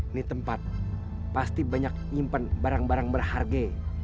ini tempat pasti banyak nyimpen barang barang berharga